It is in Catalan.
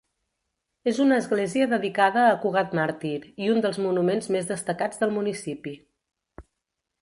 És una església dedicada a Cugat màrtir i un dels monuments més destacats del municipi.